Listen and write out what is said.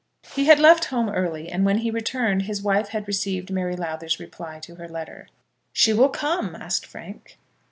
He had left home early, and when he returned his wife had received Mary Lowther's reply to her letter. "She will come?" asked Frank.